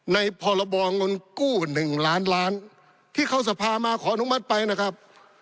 พรบเงินกู้๑ล้านล้านที่เข้าสภามาขออนุมัติไปนะครับ